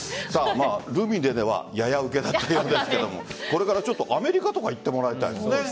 ルミネではややウケだったようですがこれからアメリカとかに行ってもらいたいですね。